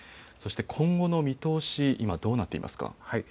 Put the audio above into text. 今後の見通し、今どうなっていますか。